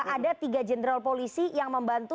ada tiga jenderal polisi yang membantu